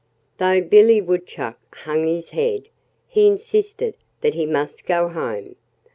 Though Billy Woodchuck hung his head, he insisted that he must go home.